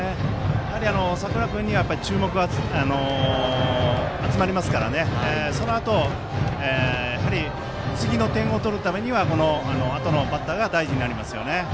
佐倉君に注目が集まりますからそのあと、やはり次の点を取るためにはこのあとのバッターが大事になりますよね。